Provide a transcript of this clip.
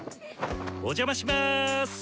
お邪魔しまぁす！